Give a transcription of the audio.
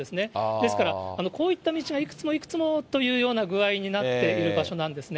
ですから、こういった道がいくつもいくつもというような具合になっている場所なんですね。